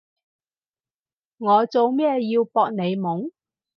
我做咩要搏你懵？